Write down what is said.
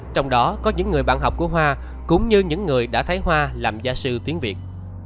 trong đó có những người bạn học của hoa cũng như những người đã thấy hoa làm gia sư tiếng việt